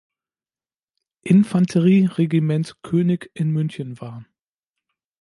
Infanterie-Regiment „König“ in München war.